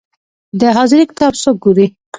د حاضري کتاب څوک ګوري؟